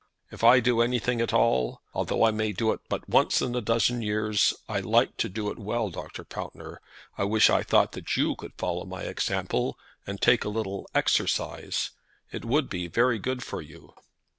If I do anything at all, though I may do it but once in a dozen years, I like to do it well, Dr. Pountner. I wish I thought that you could follow my example, and take a little exercise. It would be very good for you."